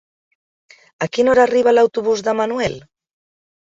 A quina hora arriba l'autobús de Manuel?